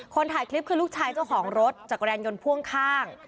ถ่ายคลิปคือลูกชายเจ้าของรถจักรยานยนต์พ่วงข้าง